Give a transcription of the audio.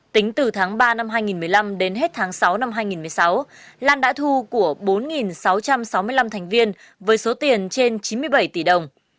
tính từ tháng ba năm hai nghìn một mươi năm đến hết tháng sáu năm hai nghìn một mươi sáu lan đã thu của bốn sáu trăm sáu mươi năm thành viên với số tiền trên chín mươi bảy tỷ đồng